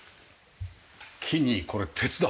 木にこれ鉄だ。